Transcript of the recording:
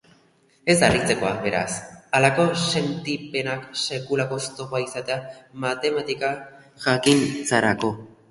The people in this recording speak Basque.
Ez da harritzekoa, beraz, halako sentipenak sekulako oztopoa izatea matematika-jakintzarako.